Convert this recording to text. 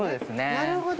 なるほど。